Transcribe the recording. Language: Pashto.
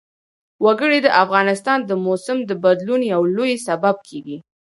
وګړي د افغانستان د موسم د بدلون یو لوی سبب کېږي.